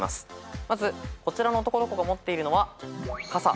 まずこちらの男の子が持っているのはかさ。